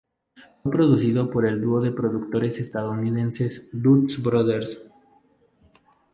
Fue producido por el dúo de productores estadounidenses Dust Brothers.